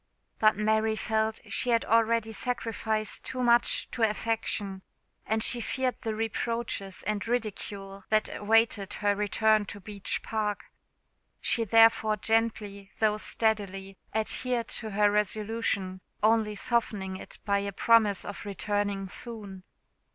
But Mary felt she had already sacrificed too much to affection, and she feared the reproaches and ridicule that awaited her return to Beech Park. She therefore gently, though steadily, adhered to her resolution, only softening it by a promise of returning soon.